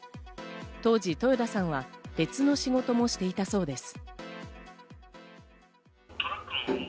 当時、豊田さんは別の仕事もしていたそうです。